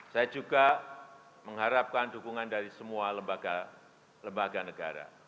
saya juga mengharapkan dukungan dari semua lembaga lembaga negara